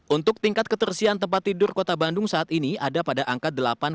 untuk tingkat ketersian tempat tidur kota bandung saat ini ada pada angka delapan